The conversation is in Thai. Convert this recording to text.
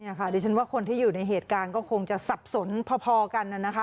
ดิฉันว่าคนที่อยู่ในเหตุการณ์ก็คงจะสับสนพอกันนะคะ